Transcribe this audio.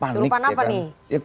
panik ya kan